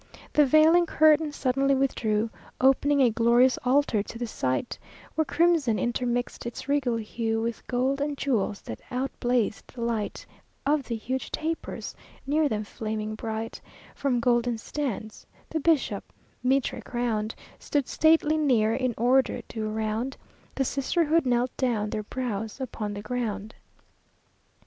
The veiling curtain suddenly withdrew, Op'ning a glorious altar to the sight, Where crimson intermixed its regal hue With gold and jewels that outblazed the light Of the huge tapers near them flaming bright From golden stands the bishop, mitre crowned, Stood stately near in order due around The sisterhood knelt down, their brows upon the ground.